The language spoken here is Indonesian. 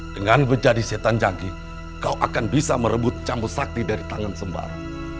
dengan menjadi setan canggih kau akan bisa merebut camuk sakti dari tangan sembara